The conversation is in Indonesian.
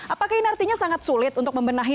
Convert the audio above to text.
apakah ini artinya sangat sulit untuk membenahi